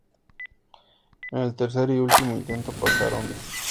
En el tercer y último intento, pasaron bien.